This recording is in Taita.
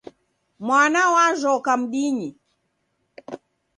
Mwana w'ajhoka mdini.